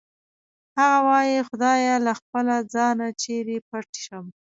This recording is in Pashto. هغه وایی خدایه له خپله ځانه چېرې پټ شم